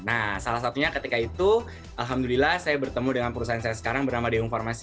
nah salah satunya ketika itu alhamdulillah saya bertemu dengan perusahaan saya sekarang bernama deung farmasi